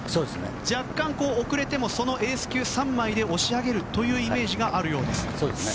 若干、遅れてもそのエース級３枚で押し上げるというイメージがあるようですね。